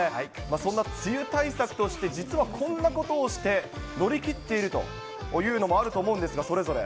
そんな梅雨対策として、実はこんなことをして、乗り切っているというのもあると思うんですが、それぞれ。